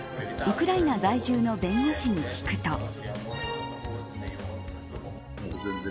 ウクライナ在住の弁護士に聞くと。